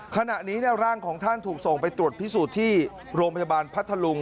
ขณะนี้ร่างของท่านถูกส่งไปตรวจพิสูจน์ที่โรงพยาบาลพัทธลุง